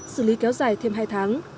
xử lý kéo dài thêm hai tháng